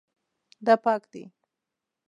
دا پاک دی